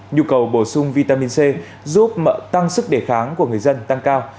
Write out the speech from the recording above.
nhu cầu bổ sung vitamin c giúp tăng sức đề kháng của người dân tăng cao